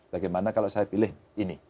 bagaimana kalau saya pilih ini